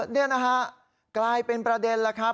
นี่นะฮะกลายเป็นประเด็นแล้วครับ